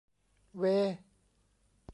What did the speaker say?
เว้ !